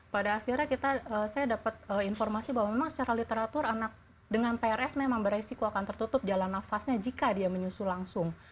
pada akhirnya saya dapat informasi bahwa memang secara literatur anak dengan prs memang beresiko akan tertutup jalan nafasnya jika dia menyusu langsung